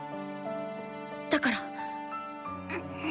だから。